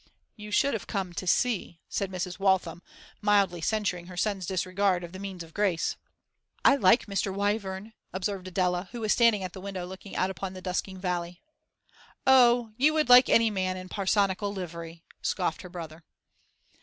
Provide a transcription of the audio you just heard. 'You should have come to see,' said Mrs. Waltham, mildly censuring her son's disregard of the means of grace. 'I like Mr. Wyvern,' observed Adela, who was standing at the window looking out upon the dusking valley. 'Oh, you would like any man in parsonical livery,' scoffed her brother.